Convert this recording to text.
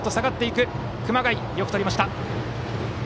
熊谷がよくとりました。